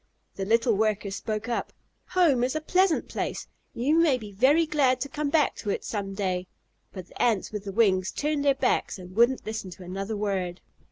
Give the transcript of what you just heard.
The little worker spoke up: "Home is a pleasant place. You may be very glad to come back to it some day." But the Ants with the wings turned their backs and wouldn't listen to another word.